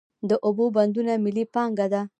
د اوبو بندونه ملي پانګه ده.